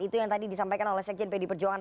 itu yang tadi disampaikan oleh sekjen pd perjuangan